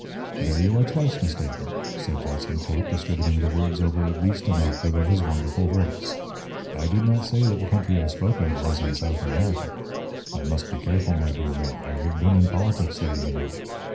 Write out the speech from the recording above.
"There you are twice mistaken," said Judson Tate, distributing the words over at least an octave of his wonderful voice. "I did not say that the country I spoke of was in South America I must be careful, my dear man; I have been in politics there, you know.